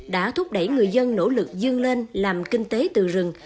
đã thúc đẩy người dân nỗ lực dương lên làm kinh tế từ rừng